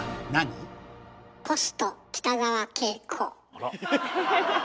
あら！